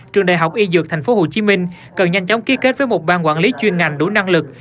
trường đại học y dược tp hcm cần nhanh chóng ký kết với một bang quản lý chuyên ngành đủ năng lực